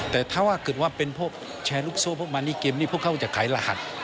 แต่ถ้าเกิดว่าเป็นพวกแชร์ลูกโซ่พวกมานี่เกมนี่พวกเขาจะขายรหัส